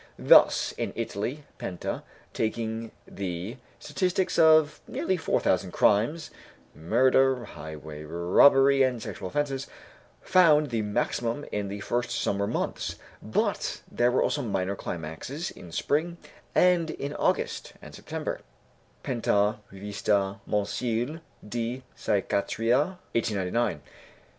Thus, in Italy, Penta, taking the statistics of nearly four thousand crimes (murder, highway robbery, and sexual offences), found the maximum in the first summer months, but there were also minor climaxes in spring and in August and September (Penta, Rivista Mensile di Psichiatria, 1899).